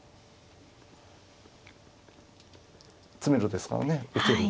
詰めろですからね受ける。